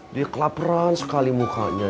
dia kelaperan sekali mukanya